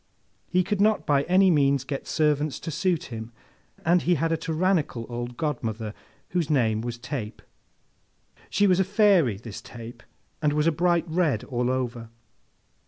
He could not by any means get servants to suit him, and he had a tyrannical old godmother, whose name was Tape. She was a Fairy, this Tape, and was a bright red all over.